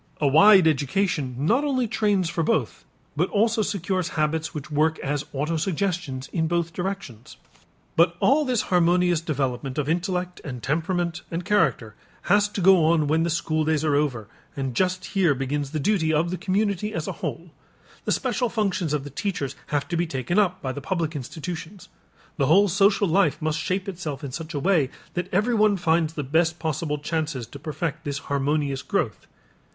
A wide education not only trains for both but also secures habits which work as autosuggestions in both directions. But all this harmonious development of intellect and temperament and character has to go on when the school days are over and just here begins the duty of the community as a whole. The special functions of the teachers have to be taken up by the public institutions. The whole social life must shape itself in such a way that everyone finds the best possible chances to perfect this harmonious growth.